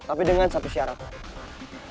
tapi dengan satu syarat